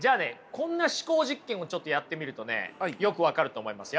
こんな思考実験をやってみるとねよく分かると思いますよ。